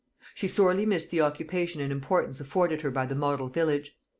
She sorely missed the occupation and importance afforded her by the model village.